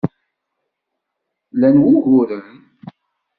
Lan uguren?